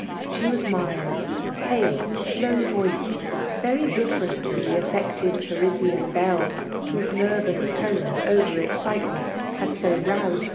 She was mild, pale, low voiced — very different from the affected Parisian Belle, whose nervous tone of over excitement had so roused c5 S4 FBMAse DomjuAsam. flie